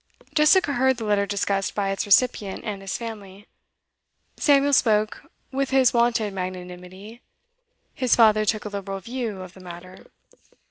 Jessica heard the letter discussed by its recipient and his family. Samuel spoke with his wonted magnanimity; his father took a liberal view of the matter.